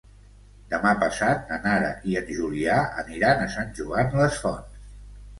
Demà passat na Nara i en Julià aniran a Sant Joan les Fonts.